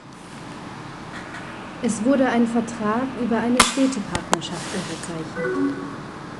Es wurde ein Vertrag über eine Städtepartnerschaft unterzeichnet.